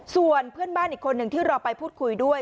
ส่วนเพื่อนบ้านอีกคนหนึ่งที่เราไปพูดคุยด้วย